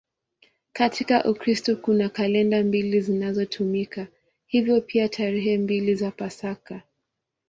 Katika Ukristo kuna kalenda mbili zinazotumika, hivyo pia tarehe mbili za Pasaka.